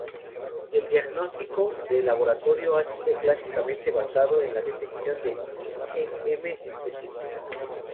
El diagnóstico de laboratorio ha sido clásicamente basado en la detección de IgM específica.